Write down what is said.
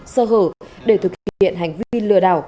sơ hở để thực hiện hành vi lừa đảo